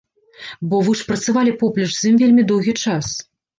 Бо вы ж працавалі поплеч з ім вельмі доўгі час.